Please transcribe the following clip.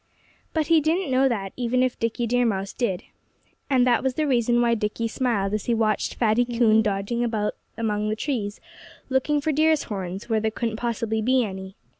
But he didn't know that, even if Dickie Deer Mouse did. And that was the reason why Dickie smiled as he watched Fatty Coon dodging about among the trees, looking for deer's horns where there couldn't possibly be any.